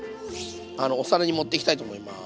お皿に盛っていきたいと思います。